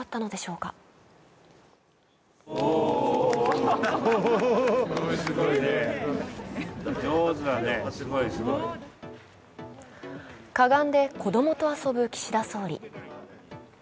かがんで子供と遊ぶ岸田総理。